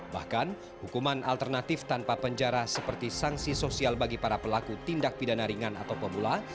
bahkan hukuman alternatif tanpa penjara seperti sanksi sosial bagi para pelaku tindak pidana ringan atau pemula